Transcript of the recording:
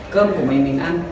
cơm của mình mình ăn